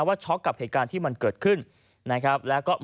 ว่าช็อคกับเหตุการณ์ที่มันเกิดขึ้นนะครับ